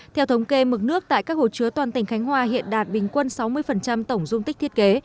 theo thống kê mực nước tại các hồ chứa toàn tỉnh khánh hòa hiện đạt bình quân sáu mươi tổng dung tích thiết kế